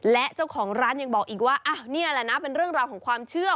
และเจ้าของร้านยังบอกอีกว่าอ้าวนี่แหละนะเป็นเรื่องราวของความเชื่อ